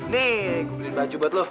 nih gue beliin baju buat lo